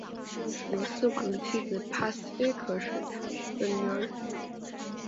米诺斯王的妻子帕斯菲可能是塔罗斯的女儿。